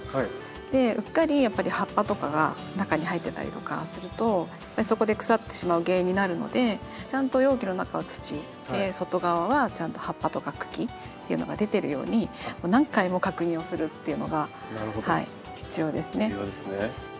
でうっかりやっぱり葉っぱとかが中に入ってたりとかするとそこで腐ってしまう原因になるのでちゃんと容器の中は土外側はちゃんと葉っぱとか茎っていうのが出てるように何回も確認をするっていうのが必要ですね。